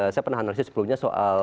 saya pernah analisis sebelumnya soal